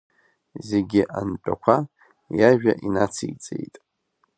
Зегьы антәақәа, иажәа инациҵеит…